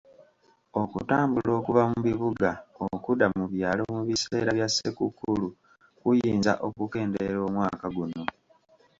Okutambula okuva mu bibuga okudda mu byalo mu biseera bya ssekukkulu kuyinza okukendeera omwaka guno.